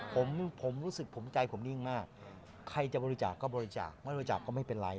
ผมผมรู้สึกผมใจผมนิ่งมากใครจะบริจาคก็บริจาคไม่บริจาคก็ไม่เป็นไร